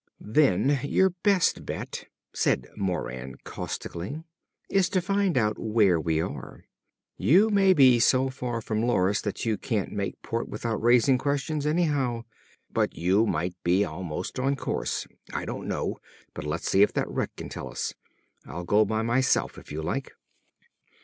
"Then your best bet," said Moran caustically, "is to find out where we are. You may be so far from Loris that you can't make port without raising questions anyhow. But you might be almost on course. I don't know! But let's see if that wreck can tell us. I'll go by myself if you like."